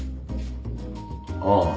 ああ。